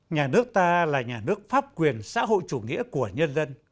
nhà nước ta là nhà nước pháp quyền xã hội chủ nghĩa của nhân dân